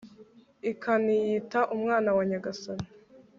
ikaniyita umwana wa nyagasani